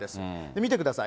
見てください。